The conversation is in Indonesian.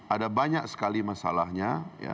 ada banyak sekali masalahnya